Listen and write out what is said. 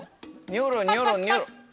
ニョロニョロニョロ。